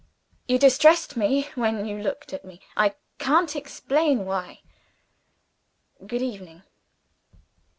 You distressed me, when you looked at me. I can't explain why. Good evening."